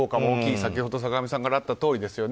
先ほど坂上さんからあったとおりですよね。